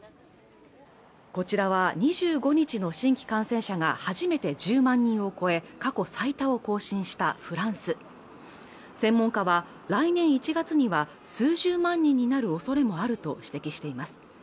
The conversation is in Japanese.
こちらは２５日の新規感染者が初めて１０万人を超え過去最多を更新したフランス専門家は来年１月には数十万人になるおそれもあると指摘しています